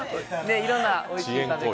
いろんなおいしい食べ方が。